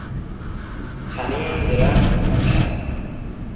تنهی این درخت پوک است.